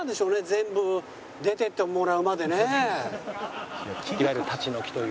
全部出ていってもらうまでね。ですよね。